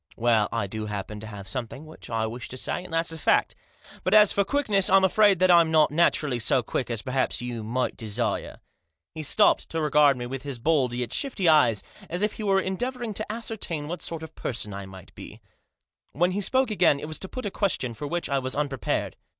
"Well, I do happen to have something which I wish to say, and that's a fact ; but as for quickness I'm afraid that I'm not naturally so quick as perhaps you might desire." He stopped, to regard me with Digitized by LUKE. 203 his bold, yet shifty eyes, as if he were endeavouring to ascertain what sort of person I might be. When he spoke again it was to put a question for which I was unprepared.